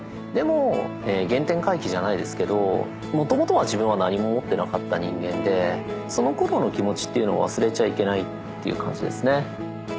でも原点回帰じゃないですけどもともとは自分は何も持っていなかった人間でそのころの気持ちっていうのを忘れちゃいけないって感じですね。